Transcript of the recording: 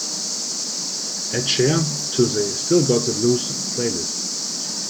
Add Chér to the Still Got the Blues playlist